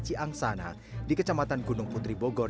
ciang sana di kecamatan gunung putri bogor